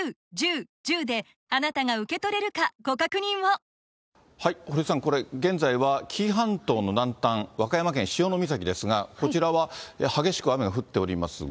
それから、あとは、堀さん、これ、現在は紀伊半島の南端、和歌山県潮岬ですが、こちらは激しく雨が降っておりますが。